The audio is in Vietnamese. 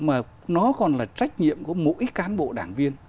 mà nó còn là trách nhiệm của mỗi cán bộ đảng viên